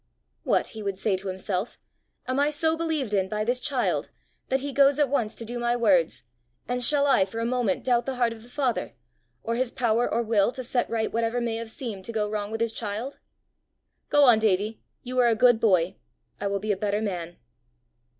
"What!" he would say to himself, "am I so believed in by this child, that he goes at once to do my words, and shall I for a moment doubt the heart of the Father, or his power or will to set right whatever may have seemed to go wrong with his child! Go on, Davie! You are a good boy; I will be a better man!"